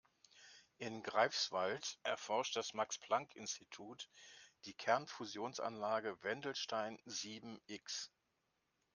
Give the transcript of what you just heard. In Greifswald erforscht das Max-Planck-Institut die Kernfusionsanlage Wendelstein sieben-X.